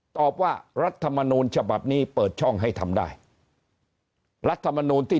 ตอบว่ารัฐธรรมนุนิฉบับนี้เติดช่องให้ทำได้รัฐธรรมนุนิที่